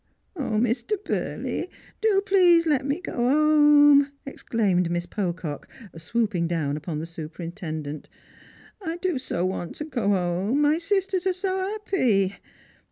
'■■ 0, Mr. Burley, do i:)lease let me go 'ome," exclaimed Miss Pocock, swooping down upon the superintendent. " I do so want to go 'ome. My sisters are so 'a])py."